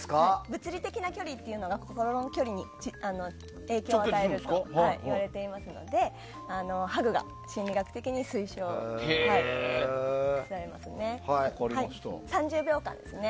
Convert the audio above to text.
物理的な距離というのが心の距離に影響を与えるといわれていますのでハグが心理学的に推奨されていますね。